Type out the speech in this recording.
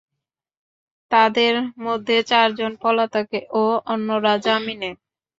তাঁদের মধ্যে চারজন পলাতক ও অন্যরা জামিনে।